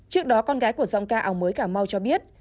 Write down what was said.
trước đó con gái của giọng ca ảo mới cà mau cho biết